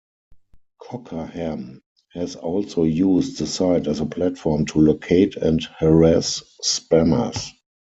Cockerham has also used the site as a platform to locate and harass spammers.